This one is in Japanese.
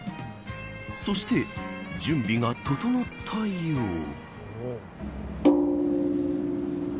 そして、準備が整ったよう。